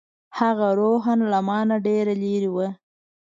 هغه روحاً له ما نه ډېره لرې وه.